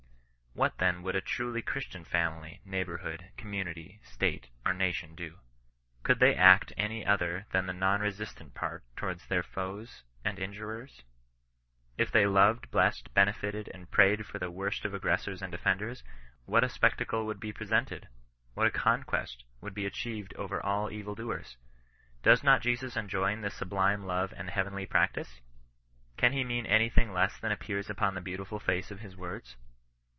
What then would a truly Christian family, neighbourhood, com munity, state, or nation do ? Could they act any other than the non resistant part toward their foes and in jurers ? If they loved, blessed, benefited, and prayed for the worst of aggressors and offenders, what a spectacle would be presented 1 What a conquest would be achieved over all evil doers ? Does not Jesus enjoin this sublime love and heavenly practice ? Can he mean any thing less than appears upon the beautiful face of his words